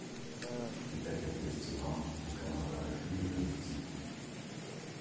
Die Bettdecke ist zu warm. Die kann man auf einer Skihütte nutzen.